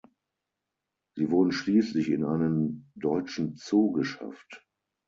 Sie wurden schließlich in einen deutschen Zoo geschafft.